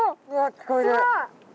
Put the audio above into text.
聞こえる？